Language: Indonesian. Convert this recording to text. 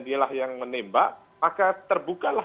dialah yang menembak maka terbukalah